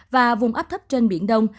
và vùng áp thấp trên biển đông